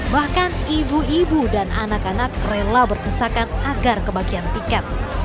bahkan ibu ibu dan anak anak rela berdesakan agar kebagian tiket